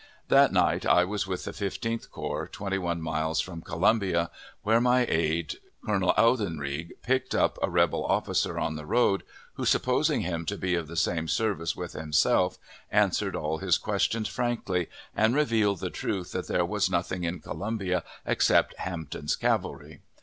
That night I was with the Fifteenth Corps, twenty one miles from Columbia, where my aide, Colonel Audenried, picked up a rebel officer on the road, who, supposing him to be of the same service with himself, answered all his questions frankly, and revealed the truth that there was nothing in Columbia except Hampton's cavalry.